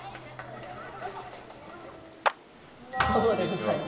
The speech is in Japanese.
祖母でございます。